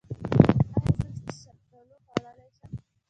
ایا زه شفتالو خوړلی شم؟